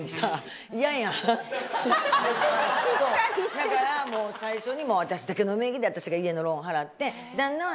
だからもう最初に私だけの名義で私が家のローン払って。